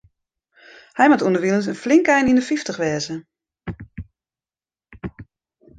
Hy moat ûnderwilens in flink ein yn de fyftich wêze.